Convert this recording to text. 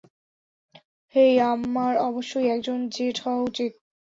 হেই, আমার অবশ্যই একজন জেট হওয়া উচিত।